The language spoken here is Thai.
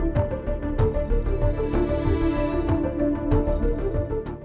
มีความผิดตามกฎหมายอาญาทานเผยแพร่ภาพลามกอีกด้วย